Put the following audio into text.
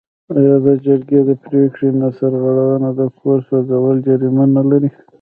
آیا د جرګې د پریکړې نه سرغړونه د کور سوځول جریمه نلري؟